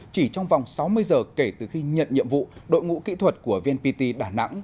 chỉ trong vòng sáu mươi giờ kể từ khi nhận nhiệm vụ đội ngũ kỹ thuật của vnpt đà nẵng